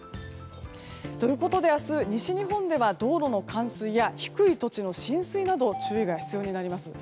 ということで明日、西日本では道路の冠水や低い土地の浸水など注意が必要になります。